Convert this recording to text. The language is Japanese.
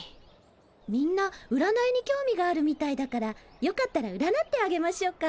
みんなうらないに興味があるみたいだからよかったらうらなってあげましょうか？